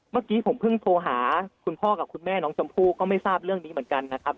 เมื่อกี้ผมเพิ่งโทรหาคุณพ่อกับคุณแม่น้องชมพู่ก็ไม่ทราบเรื่องนี้เหมือนกันนะครับ